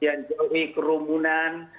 yang jauhi kerumunan